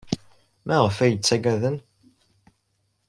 Maɣef ay iyi-ttaggaden?